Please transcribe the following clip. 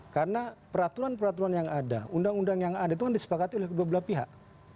karena peraturan peraturan yang ada undang undang yang ada itu kan disepakati oleh kedua belah pihak